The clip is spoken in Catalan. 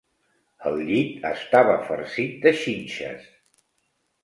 El llit estava farcit de xinxes.